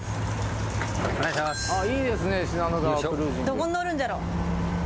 どこに乗るんじゃろ？